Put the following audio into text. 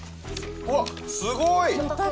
うわっすごい！魚拓。